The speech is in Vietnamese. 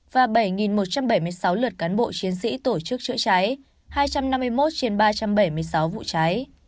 và bảy một trăm bảy mươi sáu lượt cán bộ chiến sĩ tổ chức chữa cháy hai trăm năm mươi một trên ba trăm bảy mươi sáu vụ cháy